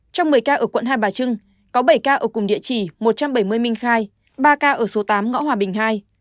trong một mươi ca ở quận hai bà trưng có bảy ca ở cùng địa chỉ một trăm bảy mươi minh khai ba ca ở số tám ngõ hòa bình ii